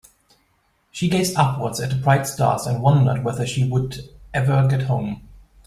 She gazed upwards at the bright stars and wondered whether she would ever get home.